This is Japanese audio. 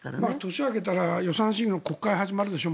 年が明けたら予算審議の国会が始まるでしょ。